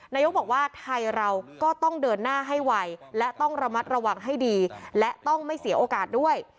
นายกบอกว่าไทยเราก็ต้องเดินหน้าให้ไวและต้องระมัดระวังให้ดีและต้องไม่เสียโอกาสด้วย